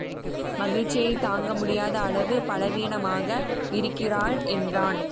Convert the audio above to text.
மகிழ்ச்சியைத் தாங்க முடியாத அளவு பலவீனமாக இருக்கிறாள் என்றான்.